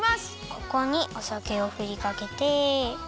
ここにおさけをふりかけて。